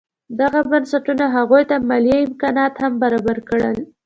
دغو بنسټونو هغوی ته مالي امکانات هم برابر کړل.